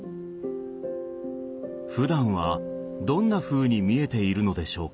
ふだんはどんなふうに見えているのでしょうか？